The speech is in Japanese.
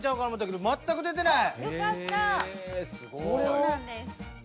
そうなんです。